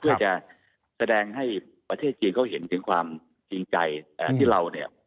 เพื่อจะแสดงให้ประเทศจีนเขาเห็นถึงความจริงใจที่เราเนี่ย